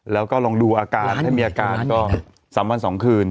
แล้วก็ลองดูอาการถ้ามีอาการก็๓วัน๒คืน